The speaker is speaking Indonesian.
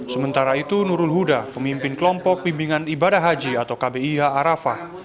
sementara itu nurul huda pemimpin kelompok pimpinan ibadah haji atau kbih arafah